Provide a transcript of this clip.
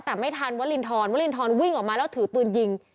แต่ไม่ทันวรินทรวรินทรวิ่งออกมาแล้วถือปืนยิง